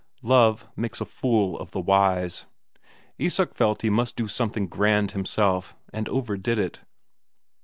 Love makes a fool of the wise. Isak felt he must do something grand himself, and overdid it.